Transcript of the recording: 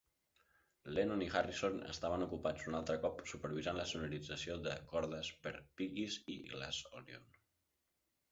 Lennon in Harrison estaven ocupats un altre cop supervisant la sonorització de cordes per "Piggies" i "Glass Onion".